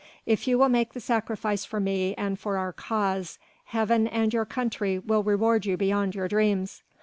If you will make the sacrifice for me and for our cause, Heaven and your country will reward you beyond your dreams.